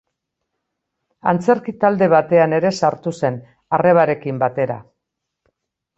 Antzerki talde batean ere sartu zen, arrebarekin batera.